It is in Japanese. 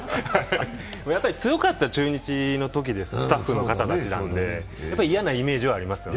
やっぱり強かった中日のとき、スタッフの方たちだったのでやっぱり嫌なイメージはありますよね。